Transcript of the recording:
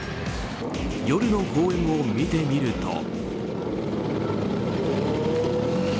夜の公園を見てみると。